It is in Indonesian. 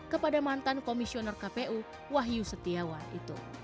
kepada mantan komisioner kpu wahyu setiawan itu